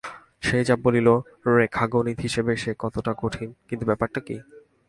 সে যা বলিল রেখাগণিত-হিসাবে সে কথাটা ঠিক, কিন্তু ব্যাপারটা কী?